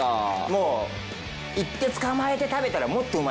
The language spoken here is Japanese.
もう行って捕まえて食べたらもっとうまいです。